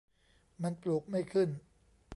มันปลูกไม่ขึ้น !